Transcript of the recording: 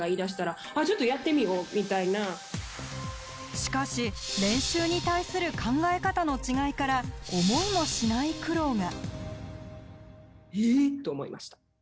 しかし、練習に対する考え方の違いから思いもしない苦労が。